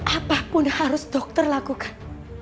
apapun harus dokter lakukan